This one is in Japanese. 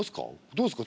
どうですか？